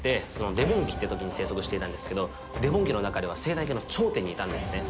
デボン紀って時に生息していたんですけどデボン紀の中では生態系の頂点にいたんですね。